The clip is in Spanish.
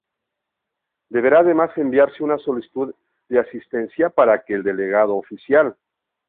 Deberá además enviarse una solicitud de asistencia para que el delegado oficial.